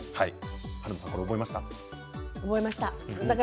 春菜さん、覚えましたか。